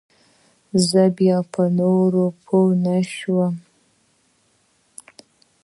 زه بيا په نورو پوه نسوم.